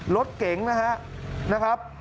รถเก๋งนะครับ